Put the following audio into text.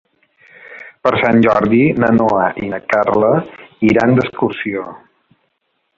Per Sant Jordi na Noa i na Carla iran d'excursió.